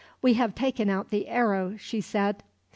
"We have taken out the arrow," she said.